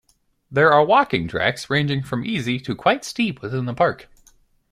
There are walking tracks ranging from easy to quite steep within the park.